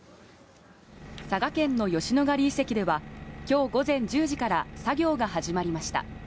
佐賀県の吉野ヶ里遺跡では、きょう午前１０時から作業が始まりました。